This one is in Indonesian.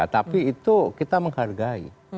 tapi itu kita menghargai